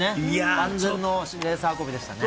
万全のレース運びでしたね。